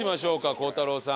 孝太郎さん。